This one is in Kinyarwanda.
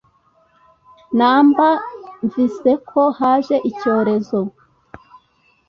numbersmviseko haje icyorezo